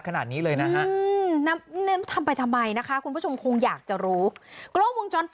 ขนาดนี้เลยนะฮะทำไปทำไมนะคะคุณผู้ชมคงอยากจะรู้กล้องวงจรป